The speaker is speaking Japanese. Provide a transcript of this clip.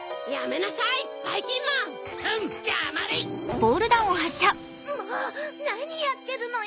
なにやってるのよ